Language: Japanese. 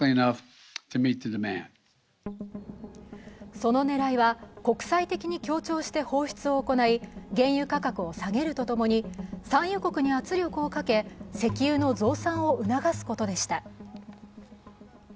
その狙いは国際的に協調して放出を行い、原油価格を下げるとともに産油国に圧力をかけ、石油の増産を促すことでした。